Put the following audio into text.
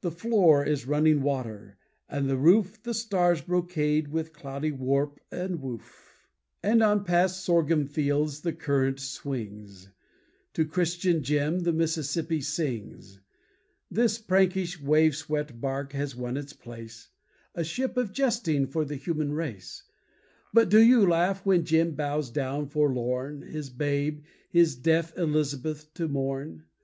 The floor is running water, and the roof The stars' brocade with cloudy warp and woof. And on past sorghum fields the current swings. To Christian Jim the Mississippi sings. This prankish wave swept barque has won its place, A ship of jesting for the human race. But do you laugh when Jim bows down forlorn His babe, his deaf Elizabeth to mourn?